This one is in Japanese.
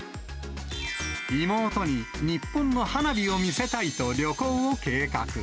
妹に日本の花火を見せたいと旅行を計画。